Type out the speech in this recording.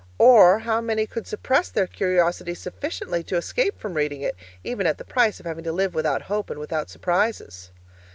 or how many could suppress their curiosity sufficiently to escape from reading it, even at the price of having to live without hope and without surprises?